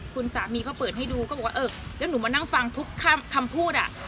คุณสามีเขาเปิดให้ดูก็บอกว่าเออแล้วหนูมานั่งฟังทุกคำพูดอ่ะ